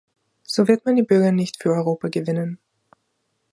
So wird man die Bürger nicht für Europa gewinnen.